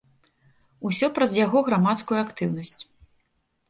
Усё праз яго грамадскую актыўнасць.